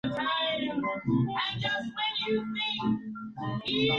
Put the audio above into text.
Rick Savage se encuentra casado con su esposa Paige.